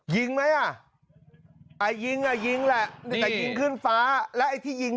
ยิงไหมอ่ะไอ้ยิงอ่ะยิงแหละแต่ยิงขึ้นฟ้าแล้วไอ้ที่ยิง